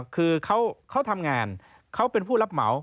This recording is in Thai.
คือเขาทำงานเขาเป็นผู้รับเหมา